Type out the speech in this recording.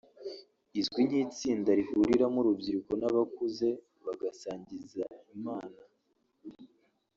izwi nk’itsinda rihuriramo urubyiruko n’abakuze bagasingiza Imana